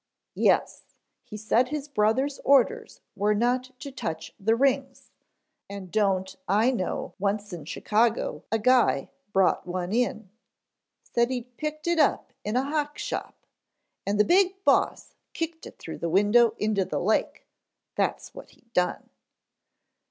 "Yes. He said his brother's orders were not to touch the rings, and don't I know once in Chicago a guy brought one in, said he'd picked it up in a hock shop, and the Big Boss kicked it through the window into the lake, that's what he done."